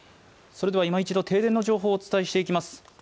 それでは今一度停電の情報をお伝えしていきます